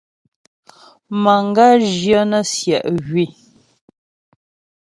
Manga zhyə nə̀ siɛ̀ ywii.